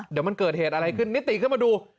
เดี๋ยวมันเกิดเหตุอะไรขึ้นนิติขึ้นมาดู